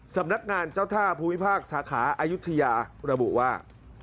สำนักงานเจ้าท่าภูมิภาคสาขาอายุทยาระบุว่า